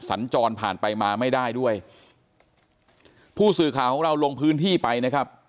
สัญจรผ่านไปมาไม่ได้ด้วยผู้สื่อข่าวของเราลงพื้นที่ไปนะครับ